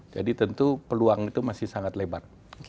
jadi tentu peluang itu masih sangat lebar